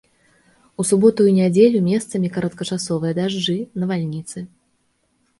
У суботу і нядзелю месцамі кароткачасовыя дажджы, навальніцы.